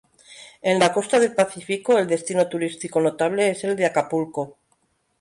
En la costa del Pacífico el destino turístico notable es el de Acapulco.